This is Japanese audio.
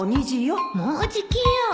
もうじきよ。